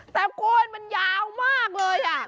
แต่โกนมันยาวมากเลยอ่ะ